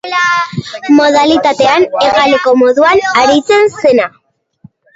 Modalitatean hegaleko moduan aritzen zena.